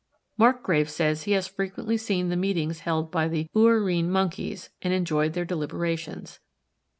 Marcgrave says he has frequently seen the meetings held by the Ouarine Monkeys and enjoyed their deliberations.